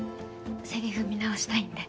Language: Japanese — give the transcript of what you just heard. せりふ見直したいんで。